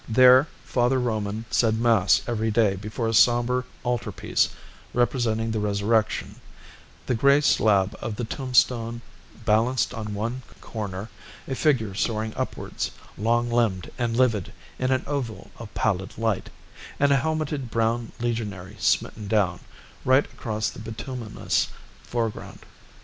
There Father Roman said Mass every day before a sombre altar piece representing the Resurrection, the grey slab of the tombstone balanced on one corner, a figure soaring upwards, long limbed and livid, in an oval of pallid light, and a helmeted brown legionary smitten down, right across the bituminous foreground.